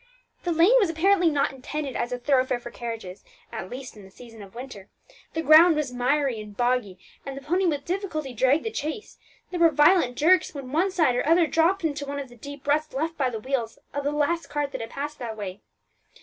The lane was apparently not intended as a thoroughfare for carriages, at least in the season of winter. The ground was miry and boggy, and the pony with difficulty dragged the chaise. There were violent jerks when one side or other dropped into one of the deep ruts left by the wheels of the last cart that had passed that way.